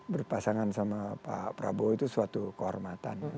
berpasangan sama pak prabowo itu suatu kehormatan